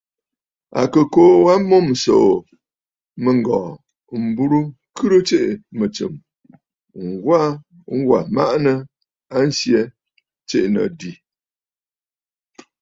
À kɨ kuu wa a mûm ǹsòò mɨ̂ŋgɔ̀ɔ̀ m̀burə ŋkhɨrə tsiʼì mɨ̀tsɨm, ŋwa wà maʼanə a nsyɛ tiʼì nɨ àdì.